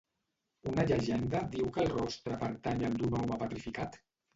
Una llegenda diu que el rostre pertany al d'un home petrificat?